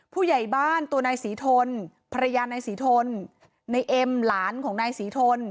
ผู้ใหญ่บ้านตัวนายศรีทนภรรยานายศรีทนในเอ็มหลานของนายศรีทน